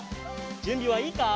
じゅんびはいいか？